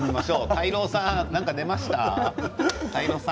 泰郎さん、何か出ましたか？